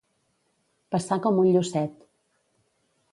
Passar com un llucet.